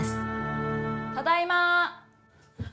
ただいま。